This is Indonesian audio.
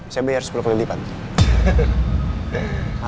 saya bayar sepuluh keliling pak